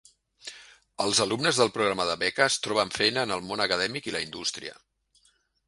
Els alumnes del Programa de Beques troben feina en el món acadèmic i la indústria.